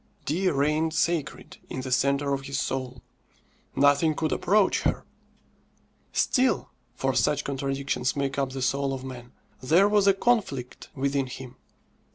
Dea reigned sacred in the centre of his soul; nothing could approach her. Still (for such contradictions make up the soul of man) there was a conflict within him.